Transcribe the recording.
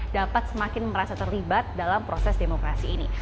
dapat semakin merasa terlibat dalam proses demokrasi ini